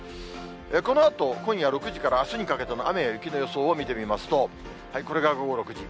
このあと、今夜６時からあすにかけての雨や雪の予想を見てみますと、これが午後６時。